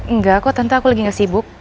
enggak kok tante aku lagi gak sibuk